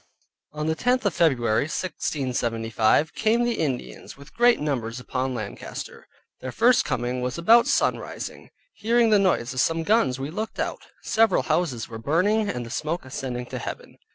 On the tenth of February 1675, came the Indians with great numbers upon Lancaster: their first coming was about sunrising; hearing the noise of some guns, we looked out; several houses were burning, and the smoke ascending to heaven.